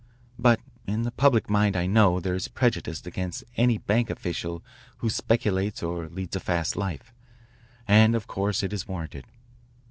"But in the public mind I know there is prejudice against any bank official who speculates or leads a fast life, and of course it is warranted.